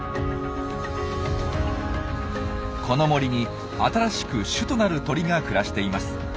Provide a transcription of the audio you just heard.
この森に新しく種となる鳥が暮らしています。